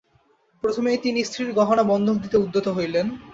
প্রথমেই তিনি স্ত্রীর গহনা বন্ধক দিতে উদ্যত হইলেন।